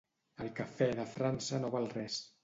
El cafè de França no val res